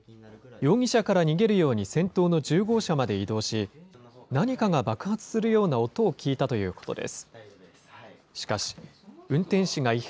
容疑者から逃げるように先頭の１０号車まで移動し、何かが爆発するような音を聞いたということです。